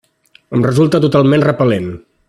Em resulta totalment repel·lent.